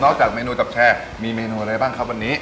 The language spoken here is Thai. จากเมนูจับแชร์มีเมนูอะไรบ้างครับวันนี้